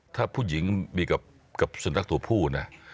ถ้าผู้หญิงมีกับสุนัขตัวผู้นะ